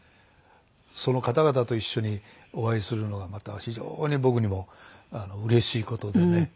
その方々と一緒にお会いするのはまた非常に僕にもうれしい事でね。